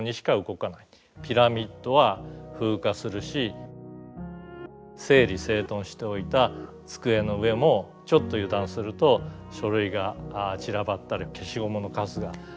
ピラミッドは風化するし整理整頓しておいた机の上もちょっと油断すると書類が散らばったり消しゴムのカスが散らばったりしますよね。